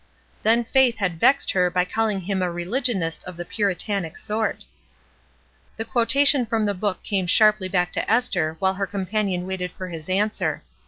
Then Faith had vexed her by calling him a religionist of the Puritanic sort. The quotation from the book came sharply back to Esther while her companion waited for his answer.